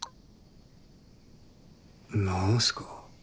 何すか？